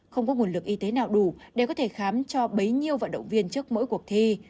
không có nguồn lực y tế nào đủ để có thể khám cho bấy nhiêu vận động viên trước mỗi cuộc thi